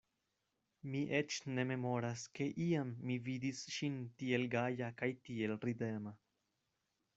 Mi eĉ ne memoras, ke iam mi vidis ŝin tiel gaja kaj tiel ridema.